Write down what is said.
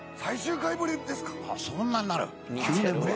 そんなになる？